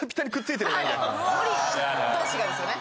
海苔同士がですよね。